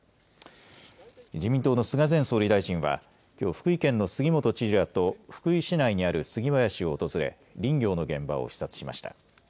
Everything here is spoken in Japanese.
自民党の菅前総理大臣は、きょう福井県の杉本知事らと、福井市内にあるスギ林を訪れ、林業の現場を視察しました。